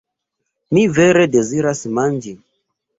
Mi vere deziras manĝi.